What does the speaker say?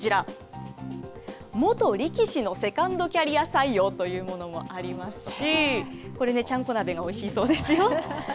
こちら、元力士のセカンドキャリア採用というものもありますし、これね、ちゃんこ鍋がおいしいそうですよ。